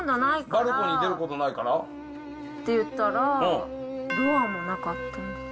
バルコニー出ることないから？って言ったら、ドアもなかったんです。